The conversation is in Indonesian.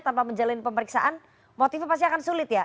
tanpa menjalin pemeriksaan motifnya pasti akan sulit ya